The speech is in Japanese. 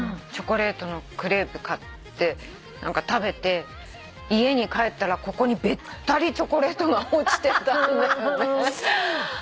チョコレートのクレープ買って食べて家に帰ったらここにべったりチョコレートが落ちてたんだよね。